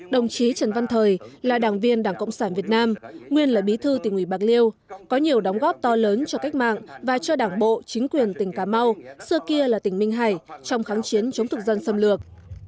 đồng chí trần văn thời là đảng viên đảng cộng sản việt nam nguyên là bí thư tỉnh ủy bạc liêu có nhiều đóng góp to lớn cho cách mạng và cho đảng bộ chính quyền tỉnh cà mau xưa kia là tỉnh minh hải trong kháng chiến chống thực dân xâm lược